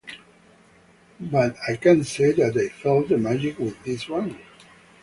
But I can say that I felt the magic with this one.